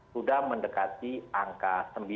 sudah mendekati angka sembilan